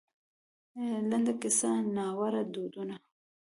لـنـډه کيـسـه :نـاوړه دودونـه